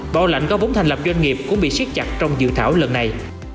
bảo lãnh có vốn thành lập doanh nghiệp cũng bị siết chặt trong dự thảo lần này